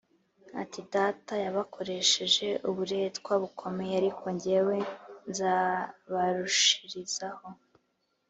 ati “Data yabakoresheje uburetwa bukomeye ,ariko jyewe nzabarushirizaho